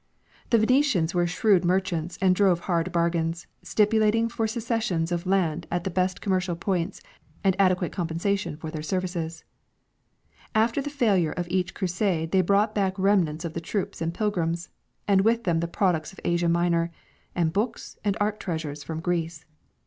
The Venetians were shrewd merchants and drove hard bargains, stipulating for cessions of land at the best commercial points and adequate com pensation for their services. After the failure of each Crusade they brought back remnants of the troops and pilgrims, and with them the products of Asia JMinor, and Ijooks and art treasures from Greece.